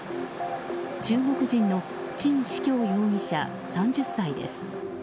中国人のチン・シキョウ容疑者３０歳です。